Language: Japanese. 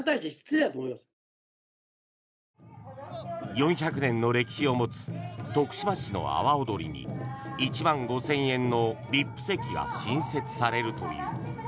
４００年の歴史を持つ徳島市の阿波おどりに１万５０００円のＶＩＰ席が新設されるという。